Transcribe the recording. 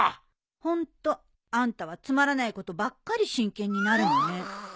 ホントあんたはつまらないことばっかり真剣になるのね。